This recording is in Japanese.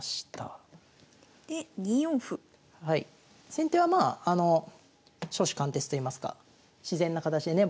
先手はまあ初志貫徹といいますか自然な形でね